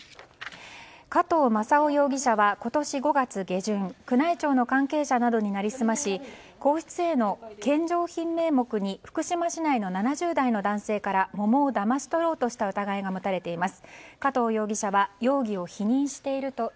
加藤正夫容疑者は今年５月下旬宮内庁の関係者などに成り済まし皇室への献上品名目に福島市内の７０代の男性から桃をだまし取ろうとした疑いが持たれています。